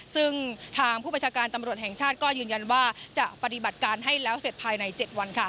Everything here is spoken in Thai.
ซึ่งทางผู้ประชาการตำรวจแห่งชาติก็ยืนยันว่าจะปฏิบัติการให้แล้วเสร็จภายใน๗วัน